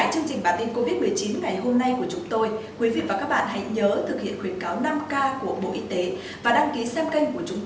chúc quý vị và các bạn bình an trong đại dịch